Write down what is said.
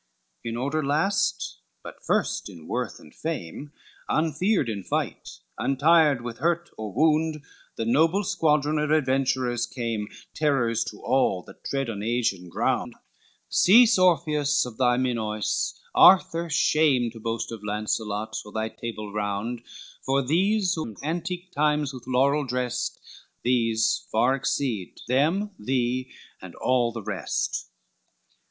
LII In order last, but first in worth and fame, Unfeared in fight, untired with hurt or wound, The noble squadron of adventurers came, Terrors to all that tread on Asian ground: Cease Orpheus of thy Minois, Arthur shame To boast of Lancelot, or thy table round: For these whom antique times with laurel drest, These far exceed them, thee, and all the rest.